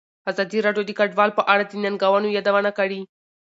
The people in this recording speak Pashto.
ازادي راډیو د کډوال په اړه د ننګونو یادونه کړې.